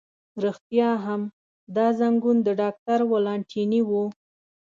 رښتیا هم، دا زنګون د ډاکټر ولانتیني و.